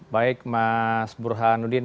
baik mas burhanuddin